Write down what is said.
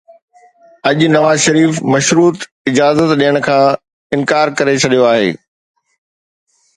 اڄ نواز شريف مشروط اجازت ڏيڻ کان انڪار ڪري ڇڏيو آهي.